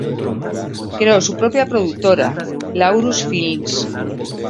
Creó su propia productora, Laurus Films.